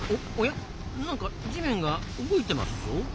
なんか地面が動いてますぞ。